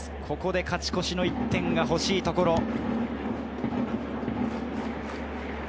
ここで勝ち越しの１点が欲しいところ。